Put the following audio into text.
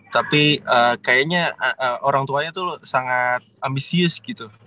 tapi kayaknya orang tuanya tuh sangat ambisius gitu